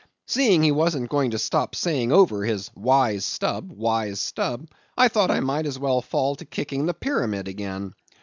Seeing he wasn't going to stop saying over his 'wise Stubb, wise Stubb,' I thought I might as well fall to kicking the pyramid again.